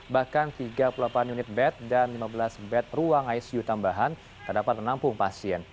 bahkan tiga puluh delapan unit bed dan lima belas bed ruang icu tambahan tak dapat menampung pasien